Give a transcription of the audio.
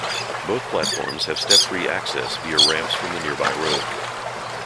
Both platforms have step-free access via ramps from the nearby road.